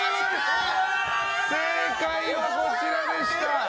正解はこちらでした。